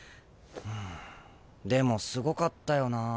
うんでもすごかったよなあ。